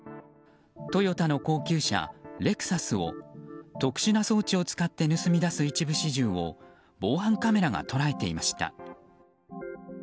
トヨタの高級車レクサスを特殊な装置を使って盗み出す一部始終を防犯カメラが捉えていました。